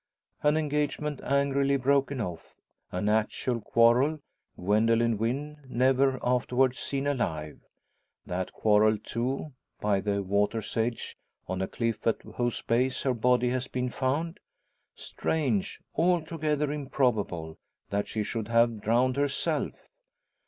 An engagement angrily broken off an actual quarrel Gwendoline Wynn never afterwards seen alive! That quarrel, too, by the water's edge, on a cliff at whose base her body has been found! Strange altogether improbable that she should have drowned herself.